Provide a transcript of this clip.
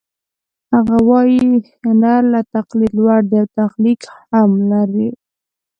هغه وايي هنر له تقلید لوړ دی او تخلیق هم لري